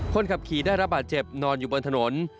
คนขับขี่ได้รับบาดเจ็บนอนอยู่บนถนน